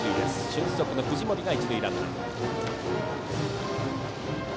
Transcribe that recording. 俊足の藤森が一塁ランナー。